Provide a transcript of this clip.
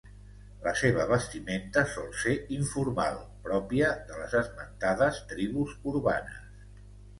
La seva vestimenta sol ser informal, pròpia de les esmentades tribus urbanes.